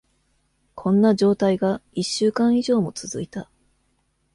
こんな状態が一週間以上も続いた。